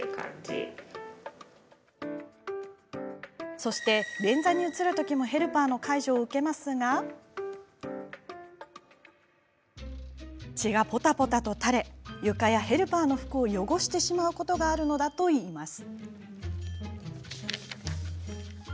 そして便座へ移るときもヘルパーの介助を受けますが血がぽたぽたと垂れ床やヘルパーの服を汚してしまうことがあるのだといいます。